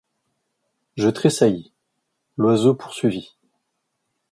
Je tressaillis. L’oiseau poursuivit